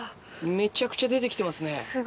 めちゃくちゃ出て来てますね。